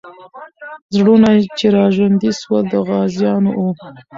زړونه چې راژوندي سول، د غازیانو وو.